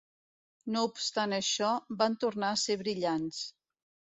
No obstant això, van tornar a ser brillants.